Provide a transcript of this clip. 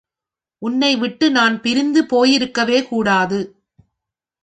உன்னை விட்டு நான் பிரிந்து போயிருக்கவே கூடாது.